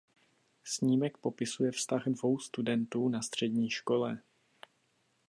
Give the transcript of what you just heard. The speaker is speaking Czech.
Snímek popisuje vztah dvou studentů na střední škole.